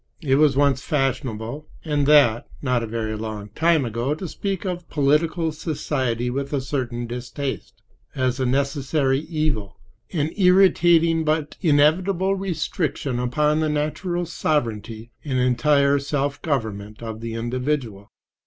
It was once fashionable—and that not a very long time ago—to speak of political society with a certain distaste, as a necessary evil, an irritating but inevitable restriction upon the "natural" sovereignty and entire self government of the individual.